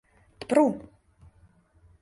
— Тпру-у!